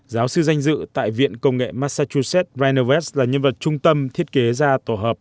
giáo sư danh dự tại viện công nghệ massachusetts rainer west là nhân vật trung tâm thiết kế ra tổ hợp